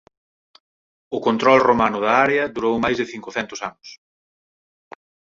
O control romano da área durou máis de cincocentos anos.